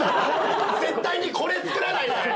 絶対にこれ作らないで！